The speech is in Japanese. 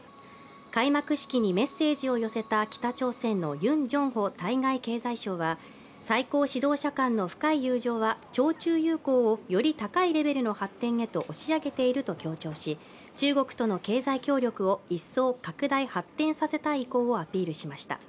開幕式にメッセージを寄せた北朝鮮のユン・ジョンホ対外経済相は最高指導者間の深い友情は朝中友好をより高いレベルの発展へと押し上げていると強調し、中国との経済協力を一層、拡大、発展させたい意向をアピールしました。